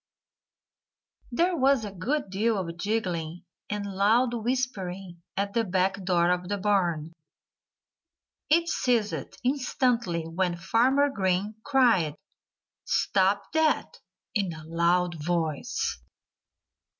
There was a good deal of giggling and loud whispering at the back door of the barn. It ceased instantly when Farmer Green cried "Stop that!" in a loud voice.